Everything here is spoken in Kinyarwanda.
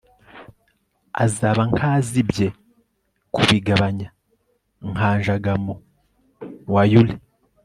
azaba nk ayazibye kubigabanya kanja gamu wayure